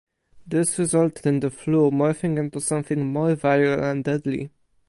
This resulted in the flu morphing into something more viral and deadly.